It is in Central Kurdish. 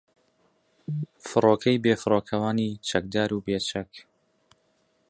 فۆرکەی بێفڕۆکەوانی چەکدار و بێچەک